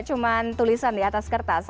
katanya saya juga itulah